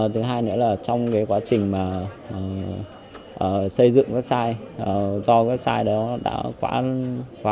thứ hai nữa là trong quá trình xây dựng website do website đó đã quá cũ